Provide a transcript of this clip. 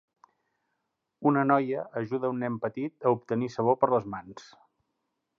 Una noia ajuda a un nen petit a obtenir sabó per a les mans.